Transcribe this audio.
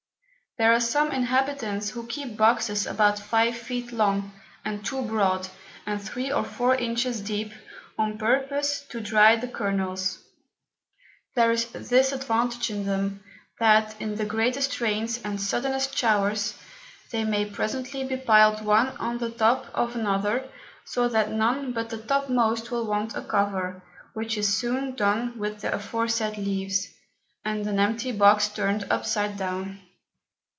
There are some Inhabitants who keep Boxes about five Feet long, and two broad, and three or four Inches deep, on purpose to dry the Kernels: There is this Advantage in them, that in the greatest Rains and suddenest Showers, they may presently be piled one on the top of another, so that none but the top most will want a Cover; which is soon done with the aforesaid Leaves, and an empty Box turn'd up side down.